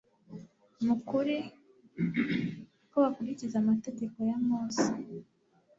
mu kuri, ko bakurikiza amategeko ya mose